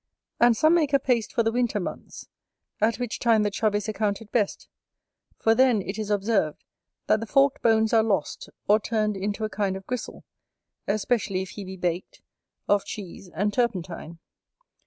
And some make a paste for the winter months, at which time the Chub is accounted best, for then it is observed, that the forked bones are lost, or turned into a kind of gristle, especially if he be baked, of cheese and turpentine.